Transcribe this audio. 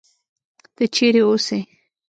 ته چېرې اوسې؟